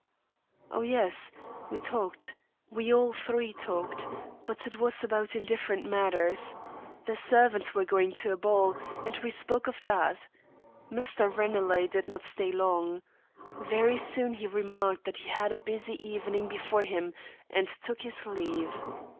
"Oh, yes; we talked. We all three talked, but it was about indifferent matters. The servants were going to a ball, and we spoke of that. Mr. Ranelagh did not stay long. Very soon he remarked that he had a busy evening before him, and took his leave.